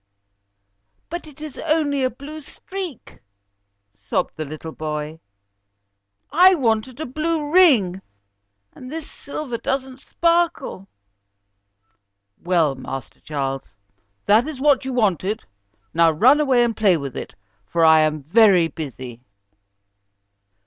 "But it is only a blue streak," sobbed the little boy. "I wanted a blue ring, and this silver doesn't sparkle." "Well, Master Charles, that is what you wanted, now run away and play with it, for I am very busy."